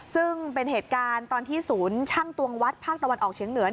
ซึ่งเป็นเหตุการณ์ตอนที่ศูนย์ช่างตวงวัดภาคตะวันออกเฉียงเหนือ